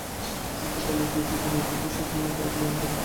গোপালের কীর্তিতে নিজেকেও সে কেমন অপরাধী মনে করে।